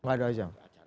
enggak dua jam